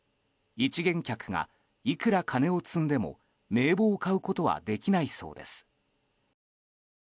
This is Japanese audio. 一見客がいくら金を積んでも名簿を買うことはできないそうです。